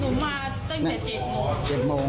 เพราะว่าเขาไม่ดันออกหนูมาตั้งแต่เจ็ดโมง